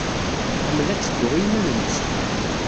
Tḥemmel ad teddu i yiman-nnes.